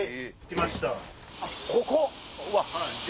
ここ？